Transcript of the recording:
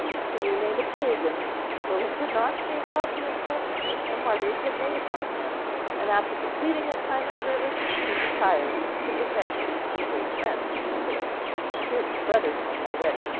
He remained a pagan, though he could not shake off the impression which the martyrs had made upon him; and, after completing his time of service, he retired to the protection of some great friends in Sicca, his brother's home already.